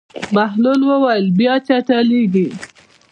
بهلول وویل: بیا چټلېږي.